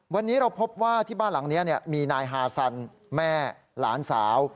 วันนี้เราพบว่าที่บ้านหลังนี้มีนายฮาซันแม่หลานสาว